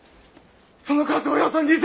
その数およそ２，０００！